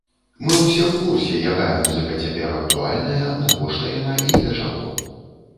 Мы ўсе ў курсе, якая музыка цяпер актуальная, навошта яна і для чаго.